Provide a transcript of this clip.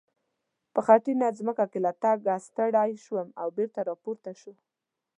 په خټینه ځمکه کې له تګه ستړی شو او بېرته را پورته شو.